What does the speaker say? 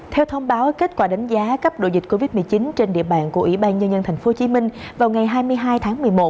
theo thông báo kết quả đánh giá cấp độ dịch covid một mươi chín trên địa bàn của ủy ban nhân dân tp hcm vào ngày hai mươi hai tháng một mươi một